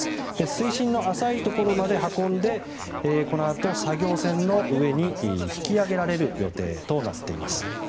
水深の浅いところまで運んでこのあと、作業船の上に引き揚げられる予定です。